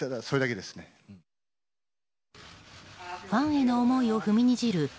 ファンへの思いを踏みにじる